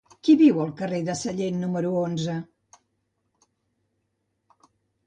Qui viu al carrer de Sallent número onze?